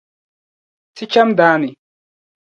Ti cham daa ni.